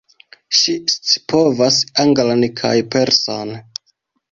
Ŝi scipovas anglan kaj persan.